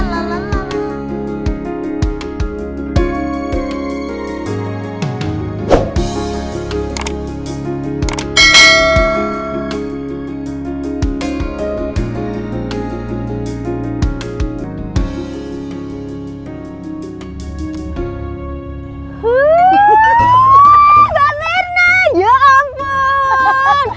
waduh ballena ya ampun